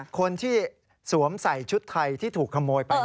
คนที่สวมใส่ชุดไทยที่ถูกขโมยไป